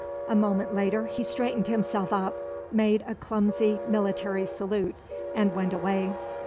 A moment later he straightened himself up, made a clumsy military salute, and went away.